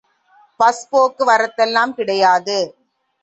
Bus போக்கு வரத்தெல்லாம் கிடையாது.